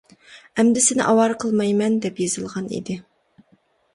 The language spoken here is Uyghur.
ئەمدى سېنى ئاۋارە قىلمايمەن. دەپ يېزىلغان ئىدى.